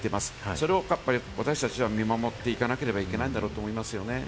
それを私達は見守っていかなければいけないんだろうと思いますね。